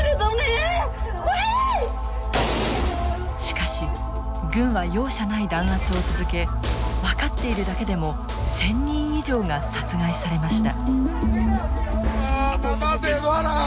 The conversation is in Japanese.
しかし軍は容赦ない弾圧を続け分かっているだけでも１，０００人以上が殺害されました。